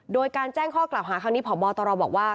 โดยการแจ้งข้อกล่าวหาครั้งนี้พบตรบอกว่า